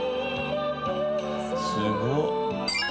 すごっ！